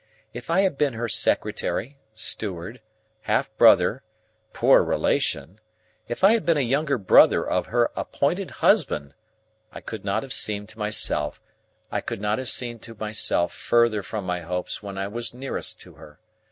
If I had been her secretary, steward, half brother, poor relation,—if I had been a younger brother of her appointed husband,—I could not have seemed to myself further from my hopes when I was nearest to her.